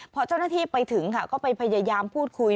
พอเจ้าหน้าที่ไปถึงค่ะก็ไปพยายามพูดคุย